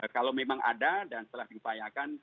kalau memang ada dan setelah diupayakan